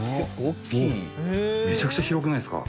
めちゃくちゃ広くないですか？